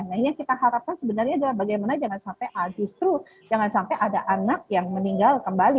nah ini yang kita harapkan sebenarnya adalah bagaimana jangan sampai justru jangan sampai ada anak yang meninggal kembali